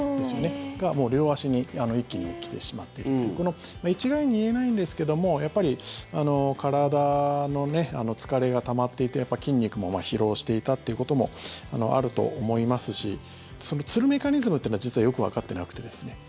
それが両足に一気に来てしまっているという一概に言えないんですけども体の疲れがたまっていて筋肉も疲労していたということもあると思いますしつるメカニズムというのは実はよくわかってなくてですね